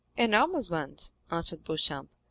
"Enormous ones," answered Beauchamp.